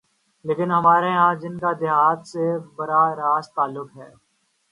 لیکن ہمارے ہاں جن کا دیہات سے براہ راست تعلق ہے۔